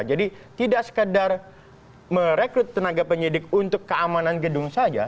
jadi tidak sekedar merekrut tenaga penyidik untuk keamanan gedung saja